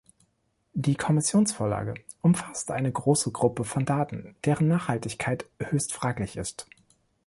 Die Kommissionsvorlage umfasst eine große Gruppe von Daten, deren Nachhaltigkeit höchst fraglich ist.